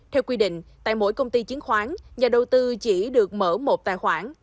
theo quy định tại mỗi công ty chứng khoán nhà đầu tư chỉ được mở một tài khoản